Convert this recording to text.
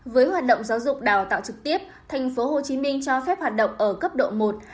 với hoạt động giáo dục đào tạo trực tiếp thành phố hồ chí minh cho phép hoạt động ở cấp độ một hai ba